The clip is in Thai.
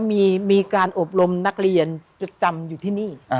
มีการอบรมนักเรียนจดจำอยู่ที่นี่